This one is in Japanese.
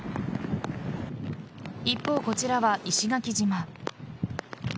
一方、こちらは石垣島。